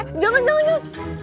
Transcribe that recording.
eh eh jangan jangan jangan